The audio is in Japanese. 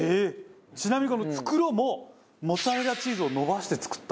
ちなみにこの袋もモッツァレラチーズを伸ばして作ったもの。